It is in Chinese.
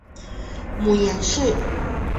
母阎氏。